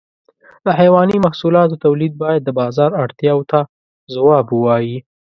د حيواني محصولاتو تولید باید د بازار اړتیاو ته ځواب ووایي.